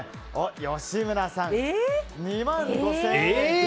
吉村さん、２万５０００円。